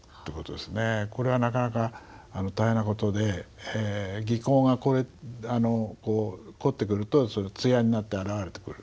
これはなかなか大変なことで技巧が凝ってくると艶になって現れてくる。